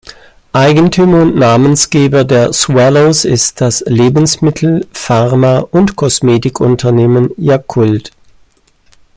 Eigentümer und Namensgeber der Swallows ist das Lebensmittel-, Pharma- und Kosmetikunternehmen Yakult.